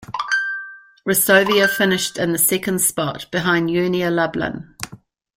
Resovia finished in the second spot, behind Unia Lublin.